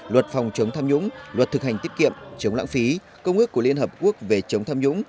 luật phòng chống tham nhũng luật thực hành tiết kiệm chống lãng phí công ước của liên hợp quốc về chống tham nhũng